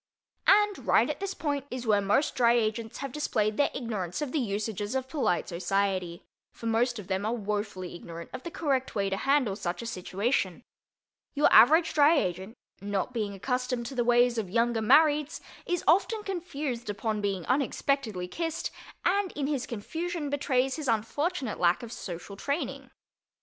And right at this point is where most Dry Agents have displayed their ignorance of the usages of polite society, for most of them are wofully ignorant of the correct way to handle such a situation. Your average Dry Agent, not being accustomed to the ways of Younger Marrieds, is often confused upon being unexpectedly kissed, and in his confusion betrays his unfortunate lack of social training.